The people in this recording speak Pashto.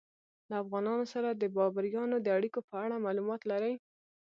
له افغانانو سره د بابریانو د اړیکو په اړه معلومات لرئ؟